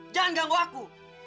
jangan ganggu aku